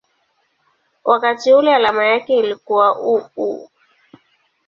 wakati ule alama yake ilikuwa µµ.